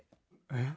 えっ？